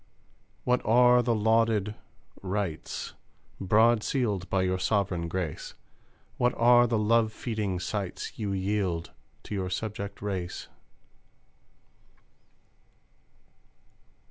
What are the lauded "rights," Broad sealed by your Sovereign Grace? What are the love feeding sights You yield to your subject race?